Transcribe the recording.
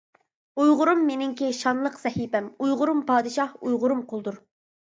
ئۇيغۇرۇم مېنىڭكى شانلىق سەھىپەم، ئۇيغۇرۇم پادىشاھ ئۇيغۇرۇم قۇلدۇر.